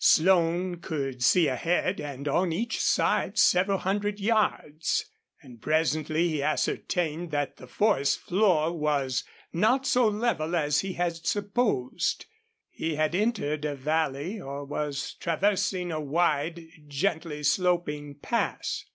Stone could see ahead and on each side several hundred yards, and presently he ascertained that the forest floor was not so level as he had supposed. He had entered a valley or was traversing a wide, gently sloping pass.